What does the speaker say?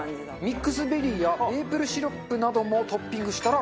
ミックスベリーやメープルシロップなどもトッピングしたら完成！